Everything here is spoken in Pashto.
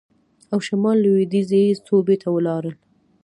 او شمال لوېدیځې صوبې ته ولاړل.